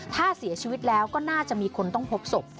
ถ้าเสียชีวิตแล้วก็น่าจะมีคนต้องพบศพ